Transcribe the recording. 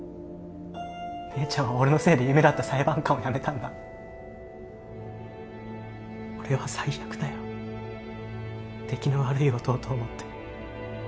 姉ちゃんは俺のせいで夢だった裁判官を辞めたんだ俺は最悪だよ出来の悪い弟を持ってホントは頭にきてんだろ？